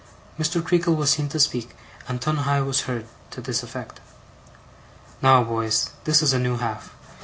Mr. Creakle was seen to speak, and Tungay was heard, to this effect. 'Now, boys, this is a new half.